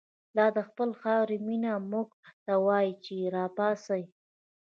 لا دخپلی خاوری مینه، مونږ ته وایی چه ر ا پا څۍ